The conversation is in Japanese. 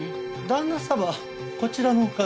旦那様こちらのお金。